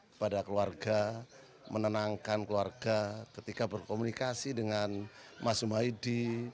kepada keluarga menenangkan keluarga ketika berkomunikasi dengan mas zumaidi